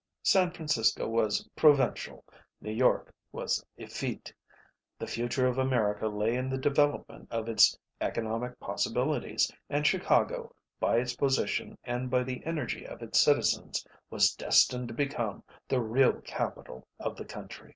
San Francisco was provincial, New York was effete; the future of America lay in the development of its economic possibilities, and Chicago, by its position and by the energy of its citizens, was destined to become the real capital of the country.